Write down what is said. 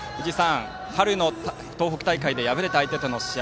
春の東北大会で敗れた相手との試合